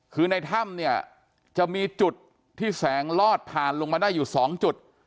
คือในถ้ำเนี่ยจะมีจุดที่แสงลอดผ่านลงมาได้อยู่๒จุด